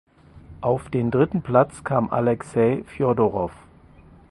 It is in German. Auf den dritten Platz kam Alexei Fjodorow.